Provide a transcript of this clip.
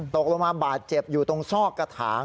ตกลงมาบาดเจ็บอยู่ตรงซอกกระถาง